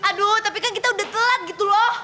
aduh tapi kan kita udah telat gitu loh